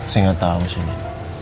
saya gak tau suni